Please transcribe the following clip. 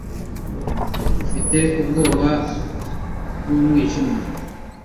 ufite ubwoba bw'umwijima